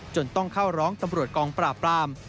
จนต้องเข้าร้องตำรวจกองปราบราม